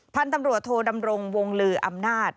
พันธุ์ตำรวจโทดำรงวงลืออำนาจ